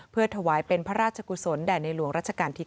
เพื่อถวายเป็นพระราชกุศลแด่ในหลวงรัชกาลที่๙